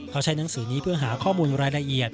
เขาใช้หนังสือนี้เพื่อหาข้อมูลรายละเอียด